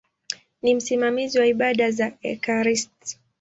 Ni msimamizi wa ibada za ekaristi.